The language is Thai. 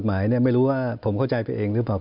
หมายไม่รู้ว่าผมเข้าใจไปเองหรือเปล่า